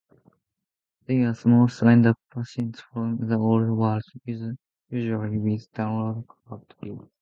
They are small, slender passerines from the Old World, usually with downward-curved bills.